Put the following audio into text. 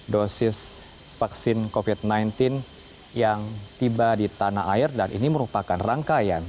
dosis vaksin covid sembilan belas yang tiba di tanah air dan ini merupakan rangkaian